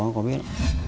giờ em có biết